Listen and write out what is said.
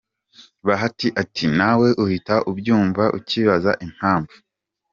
Bahati ati “Nawe uhita ubyumva ukibaza impamvu.